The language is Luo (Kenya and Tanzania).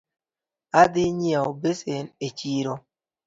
Adhi nyieo basin e chiro